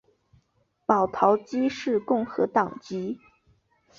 保陶基是共和党籍。